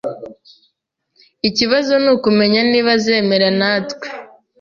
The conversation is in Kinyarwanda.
Ikibazo nukumenya niba azemera natwe